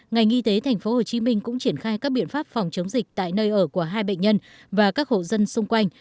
ngành y tế tp hcm cũng triển khai các biện pháp phòng chống dịch tại nơi ở của hai bệnh nhân và các hộ dân xung quanh